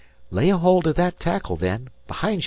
"Lay a holt o' that tackle, then. Behind ye!"